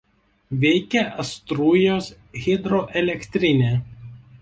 Veikia Astūrijos hidroelektrinė.